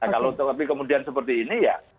kalau tapi kemudian seperti ini ya